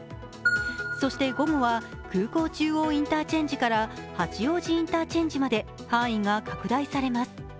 そして午後は空港中央インターチェンジから八王子インターチェンジまで範囲が拡大されます。